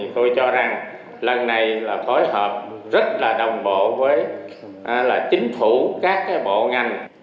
tôi đo rằng lần này là khói họp rất là đồng bộ với chính phủ các cái bộ ngành